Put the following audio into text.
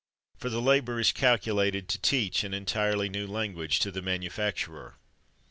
For the labour is calculated to teach an entirely new language to the manufacturer.